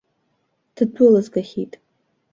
Ддәылызгахьеит.